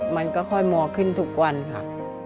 มันก็ค่อยมัวขึ้นทุกวันค่ะ